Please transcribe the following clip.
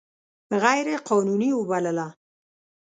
غیر قانوني وبلله.